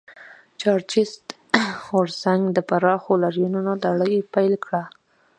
چارټېست غورځنګ د پراخو لاریونونو لړۍ پیل کړه.